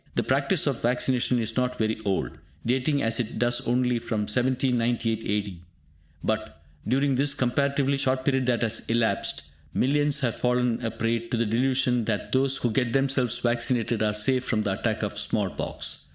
The practice of vaccination is not very old, dating as it does only from 1798 A.D. But, during this comparatively short period that has elapsed, millions have fallen a prey to the delusion that those who get themselves vaccinated are safe from the attack of small pox.